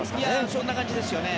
そんな感じですよね。